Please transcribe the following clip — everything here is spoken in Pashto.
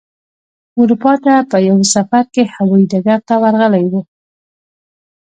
اروپا ته په یوه سفر کې هوايي ډګر ته ورغلی و.